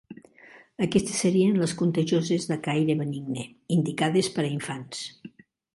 Aquestes serien les contagioses de caire benigne, indicades per a infants.